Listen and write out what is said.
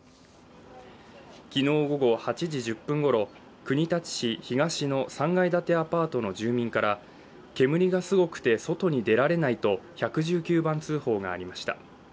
昨日午後８時１０分ごろ、国立市東の３階建てアパートの住人から煙がすごくて外に出られないと１１０番通報がありました。